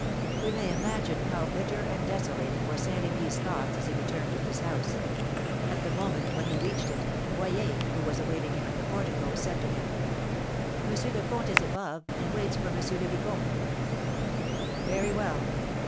We may imagine how bitter and desolating were Saint Remy's thoughts as he returned to his house. At the moment when he reached it, Boyer, who awaited him at the portico, said to him: "M. le Comte is above, and waits for M. le Vicomte." "Very well."